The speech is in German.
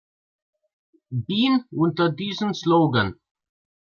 Bean" unter diesem Slogan.